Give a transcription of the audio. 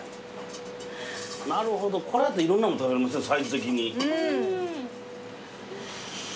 なるほどこれやったらいろんなの食べれますねサイズ的に。